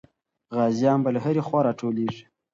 غازیان به له هرې خوا راټولېږي.